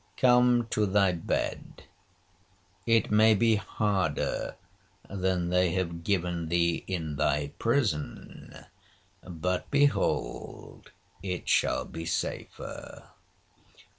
Come to thy bed, it may be harder than they have given thee in thy prison, but behold it shall be safer.